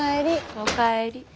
お帰り。